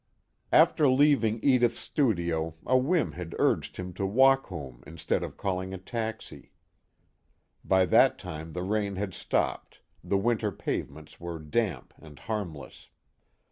After leaving Edith's studio a whim had urged him to walk home instead of calling a taxi. By that time the rain had stopped, the winter pavements were damp and harmless.